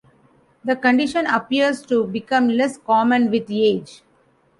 The condition appears to become less common with age.